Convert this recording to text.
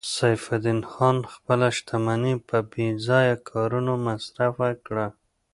سیف الدین خان خپله شتمني په بې ځایه کارونو مصرف کړه